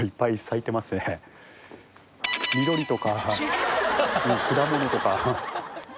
緑とか果物とか。